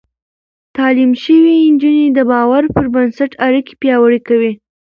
تعليم شوې نجونې د باور پر بنسټ اړيکې پياوړې کوي.